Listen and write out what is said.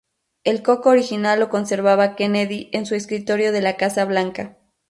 El coco original lo conservaba Kennedy en su escritorio de la Casa Blanca.